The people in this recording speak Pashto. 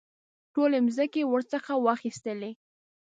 ټولې مځکې ورڅخه واخیستلې.